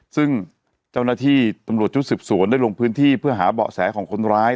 ซึ่งเจ้าหน้าที่ตำรวจชุดสืบสวนได้ลงพื้นที่เพื่อหาเบาะแสของคนร้าย